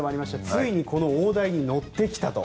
ついにこの大台に乗ってきたと。